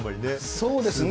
そうですね。